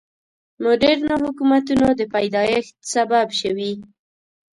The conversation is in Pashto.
مډرنو حکومتونو د پیدایښت سبب شوي.